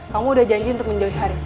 kamu udah janji untuk menjauhi haris